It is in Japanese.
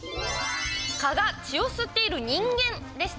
蚊が血を吸っている人間でした。